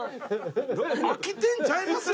飽きてんちゃいますよ